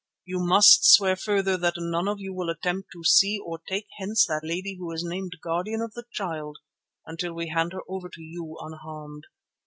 You must swear further that none of you will attempt to see or to take hence that lady who is named Guardian of the Child until we hand her over to you unharmed.